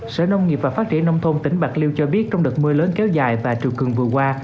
sở nông nghiệp và phát triển nông thôn tỉnh bạc liêu cho biết trong đợt mưa lớn kéo dài và triều cường vừa qua